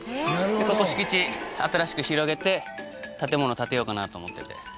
ここ敷地新しく広げて建物建てようかなと思ってて。